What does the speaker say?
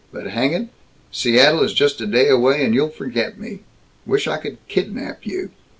But hang it, Seattle is just a day away, and you'll forget me. Wish I could kidnap you.